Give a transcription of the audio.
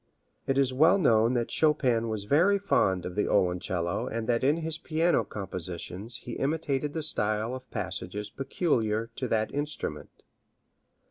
It is well known that Chopin was very fond of the violoncello and that in his piano compositions he imitated the style of passages peculiar to that instrument.